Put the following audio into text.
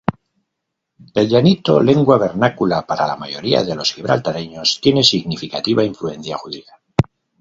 El llanito, lengua vernácula para la mayoría de los gibraltareños, tiene significativa influencia judía.